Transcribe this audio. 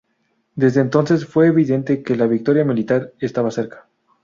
Desde entonces, fue evidente que la victoria militar estaba cerca.